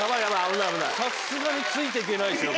さすがについて行けないですよ。